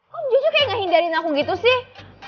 kok jujuk kayak gak hindarin aku gitu sih